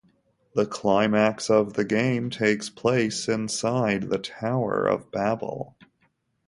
The climax of the game takes place inside the Tower of Babel.